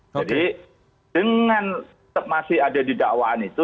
jadi dengan masih ada di dakwaan itu